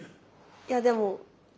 いやでも。